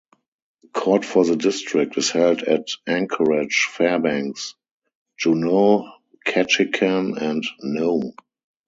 Court for the District is held at Anchorage, Fairbanks, Juneau, Ketchikan, and Nome.